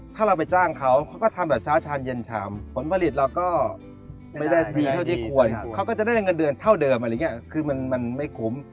ถ้าเราไปจ้างเขาเขาก็ทำแบบเช้าชามเย็นชามผลผลิตเราก็ไม่ได้ดีเท่าที่ควรเขาก็จะได้เงินเดือนเท่าเดิมอะไรอย่างนี้คือมันไม่คุ้ม